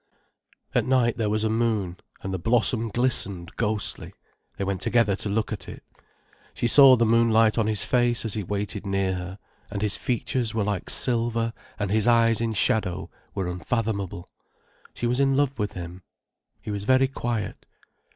At night there was a moon, and the blossom glistened ghostly, they went together to look at it. She saw the moonlight on his face as he waited near her, and his features were like silver and his eyes in shadow were unfathomable. She was in love with him. He was very quiet.